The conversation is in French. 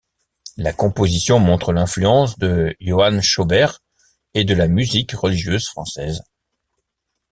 La composition montre l'influence de Johann Schobert et de la musique religieuse française.